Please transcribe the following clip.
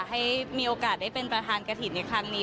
ให้มีโอกาสได้เป็นประธานกระถิ่นในครั้งนี้